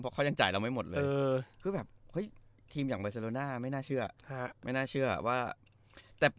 หมดเลยเออคือแบบเฮ้ยทีมอย่างไม่น่าเชื่อฮะไม่น่าเชื่อว่าแต่